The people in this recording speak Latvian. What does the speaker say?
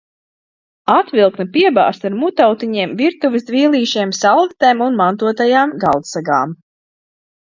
Atviktne piebāzta ar mutautiņiem, virtuves dvielīšiem, salvetēm un mantotajām galdsegām.